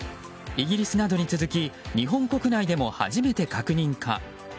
イギリスなどに続き日本国内でも初めて確認か。